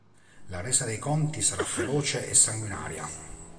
La resa dei conti sarà feroce e sanguinaria.